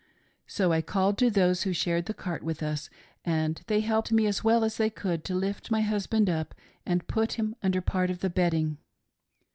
So I called to those who shared the cart with us, and they helped me as well as they could to lift my husband up arid put him under part of the bedding.